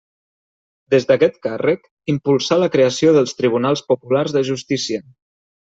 Des d'aquest càrrec, impulsà la creació dels Tribunals Populars de Justícia.